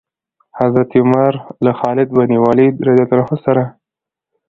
حضرت عمر له خالد بن ولید سره.